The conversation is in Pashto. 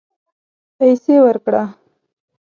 پیسې ورکړه